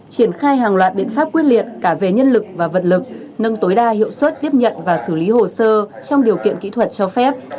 triển khai hàng loạt biện pháp quyết liệt cả về nhân lực và vật lực nâng tối đa hiệu suất tiếp nhận và xử lý hồ sơ trong điều kiện kỹ thuật cho phép